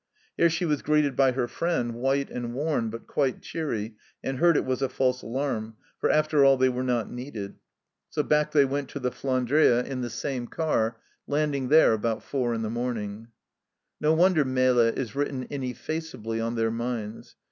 Here she was greeted by her friend, white and worn, but quite cheery, and heard it was a false alarm, for after all they were not needed ! So back they went to the Flandria in 44 THE CELLAR HOUSE OF PERVYSE the same car, landing there about four in the morning. No wonder Melle is written ineffaceably on their minds